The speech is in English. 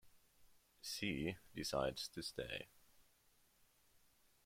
She decides to stay.